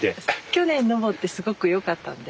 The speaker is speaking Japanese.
去年登ってすごくよかったんで。